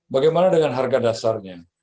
bagaimana dengan harga dasarnya